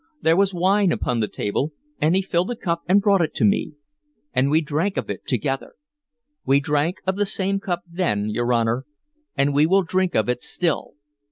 There was wine upon the table, and he filled a cup and brought it to me, and we drank of it together. We drank of the same cup then, your Honor, and we will drink of it still.